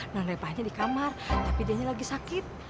non repanya di kamar tapi dia lagi sakit